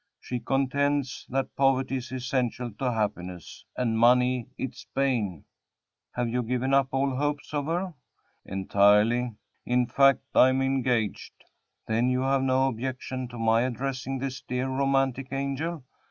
She contends that poverty is essential to happiness and money its bane." "Have you given up all hopes of her?" "Entirely; in fact, I'm engaged." "Then you have no objections to my addressing this dear, romantic angel?"